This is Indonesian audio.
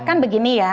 kan begini ya